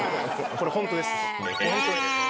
これホントです。ねぇ！